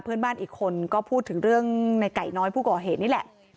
เพื่อนบ้านอีกคนก็พูดถึงเรื่องในไก่น้อยผู้ก่อเหตุนี่แหละ